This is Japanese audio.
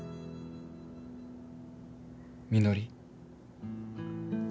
みのり？